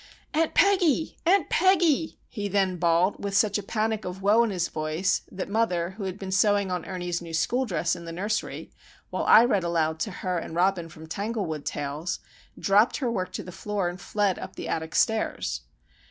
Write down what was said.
"Aunt Peggy! Aunt Peggy!" he then bawled with such a panic of woe in his voice that mother, who had been sewing on Ernie's new school dress in the nursery while I read aloud to her and Robin from Tanglewood Tales, dropped her work to the floor and fled up the attic stairs.